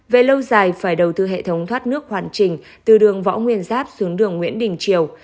về lâu dài phải đầu tư hệ thống thoát nước hoàn chỉnh từ đường võ nguyên giáp xuống đường nguyễn đình triều